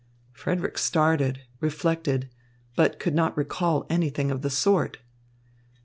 Frederick started, reflected, but could not recall anything of the sort.